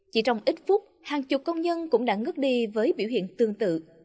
chỉ trong ít phút hàng chục công nhân cũng đã ngất đi với biểu hiện tương tự